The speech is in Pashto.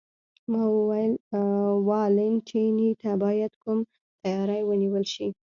ما وویل: والنتیني ته باید کوم تیاری ونیول شي؟